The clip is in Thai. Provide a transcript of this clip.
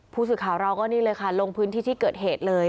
ผู้สื่อข่าวเราก็นี่เลยค่ะลงพื้นที่ที่เกิดเหตุเลย